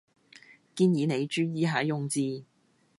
建議你注意下用字